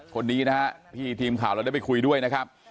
คนนี้นะฮะที่ทีมข่าวเราได้ไปคุยด้วยนะครับ